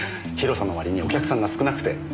広さのわりにお客さんが少なくて。